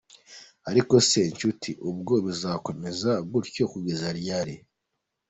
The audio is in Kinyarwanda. Ariko se nshuti, ubwo bizakomeza gutyo kugeza ryari ?.